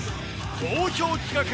好評企画。